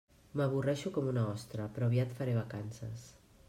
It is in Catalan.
M'avorreixo com una ostra, però aviat faré vacances.